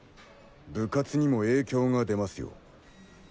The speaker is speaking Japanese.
部活にも影響が出ますよ。